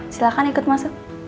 silahkan ikut masuk